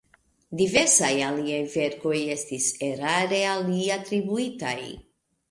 Diversaj aliaj verkoj estis erare al li atribuitaj.